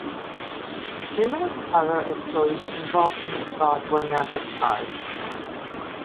Numerous other employees involved in the fraud were never charged.